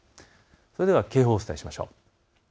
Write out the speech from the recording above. それでは警報をお伝えしましょう。